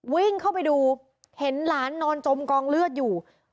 วิ่งเข้าไปดูเห็นหลานนอนจมกองเลือดอยู่